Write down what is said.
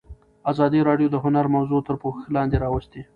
ازادي راډیو د هنر موضوع تر پوښښ لاندې راوستې.